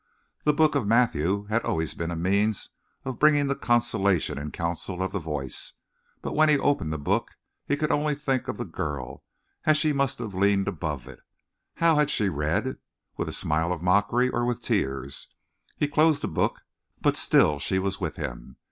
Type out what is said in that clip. The book of Matthew had always been a means of bringing the consolation and counsel of the Voice, but when he opened the book he could only think of the girl, as she must have leaned above it. How had she read? With a smile of mockery or with tears? He closed the book; but still she was with him.